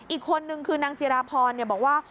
อีกคนนึงคือนางจิราพรบอกว่า